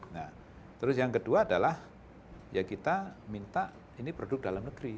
nah terus yang kedua adalah ya kita minta ini produk dalam negeri